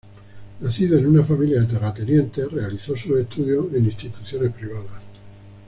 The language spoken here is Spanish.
Nacido en una familia de terratenientes, realizó sus estudios en instituciones privadas.